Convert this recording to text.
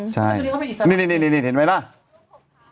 ใช่นี่เห็นไหมล่ะนางก็นางโตเป็นสาวกันแล้วล่ะ